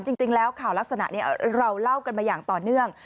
จริงแล้วข่าวลักษณะนี้เราเล่ากันมาอย่างต่อเนื่อง